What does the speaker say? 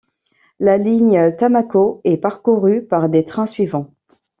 La ligne Tamako est parcourue par des trains suivants.